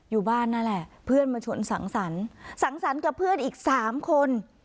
อยู่บ้านนั่นแหละเพื่อนมาชวนสังสรรค์สังสรรค์กับเพื่อนอีก๓คน